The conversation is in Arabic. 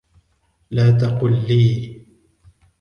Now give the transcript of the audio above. لا تقل لي.